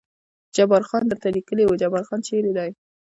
جبار خان درته لیکلي و، جبار خان چېرې دی؟